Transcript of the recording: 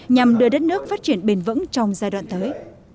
nhằm đưa đất nước phát triển bền vững trong giai đoạn tới